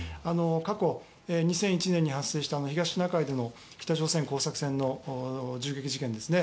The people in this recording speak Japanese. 過去２００１年に発生した東シナ海での北朝鮮工作船の銃撃事件ですね。